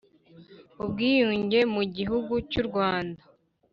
ubwiyunge mu gihugu cyu Rwanda